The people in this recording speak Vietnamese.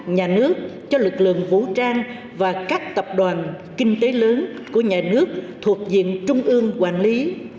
nhà nước cho lực lượng vũ trang và các tập đoàn kinh tế lớn của nhà nước thuộc diện trung ương quản lý